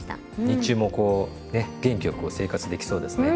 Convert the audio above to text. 日中もこうね元気よく生活できそうですね。